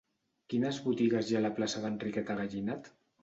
Quines botigues hi ha a la plaça d'Enriqueta Gallinat?